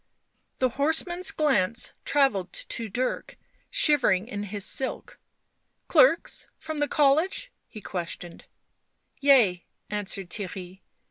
The horseman's glance travelled to Dirk, shivering in his silk. " Clerks from the college?" he questioned. " Yea," answered Theirry.